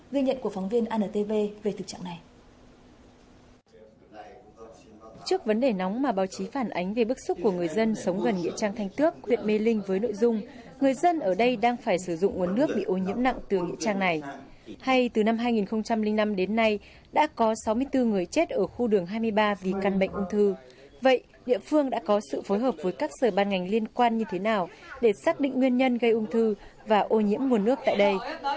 ghi nhận của phóng viên antv về tự trạng này